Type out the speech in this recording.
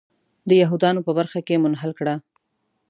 د یهودانو په برخه کې منحل کړه.